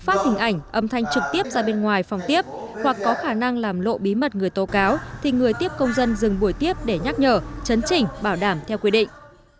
phát hình ảnh âm thanh trực tiếp ra bên ngoài phòng tiếp hoặc có khả năng làm lộ bí mật người tố cáo thì người tiếp công dân dừng buổi tiếp để nhắc nhở chấn chỉnh bảo đảm theo quy định